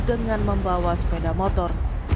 dengan membawa sepeda motor